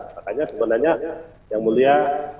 makanya sebenarnya yang mulia